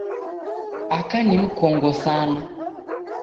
Aka ni mkongo sana.